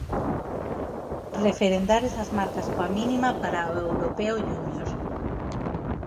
Referendar esas marcas coa mínima para o Europeo Júnior.